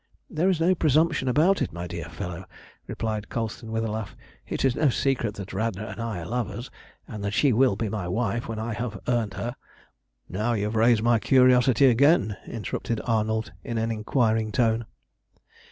"There is no presumption about it, my dear fellow," replied Colston, with a laugh. "It is no secret that Radna and I are lovers, and that she will be my wife when I have earned her." "Now you have raised my curiosity again," interrupted Arnold, in an inquiring tone.